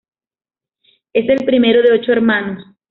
Es el primero de ocho hermanos.